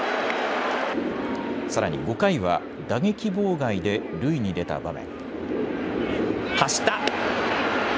さらに５回は打撃妨害で塁に出た場面。